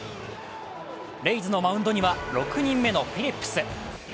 レイズのマウンドには６人目のフィリップス。